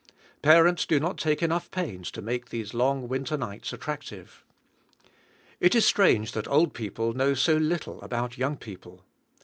Parents do not take enough pains to make these long winter nights attractive. It is strange that old people know so little about young people.